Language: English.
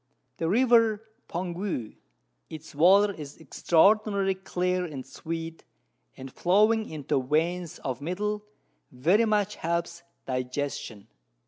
The River Poangue, its Water is extraordinary clear and sweet, and flowing thro' Veins of Metal, very much helps Digestion.